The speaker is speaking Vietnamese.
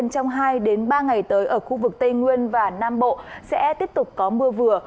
trong hai ba ngày tới ở khu vực tây nguyên và nam bộ sẽ tiếp tục có mưa vừa